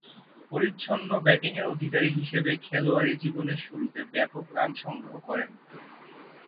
পরিচ্ছন্ন ব্যাটিংয়ের অধিকারী হিসেবে খেলোয়াড়ী জীবনের শুরুতে ব্যাপক রান সংগ্রহ করেন।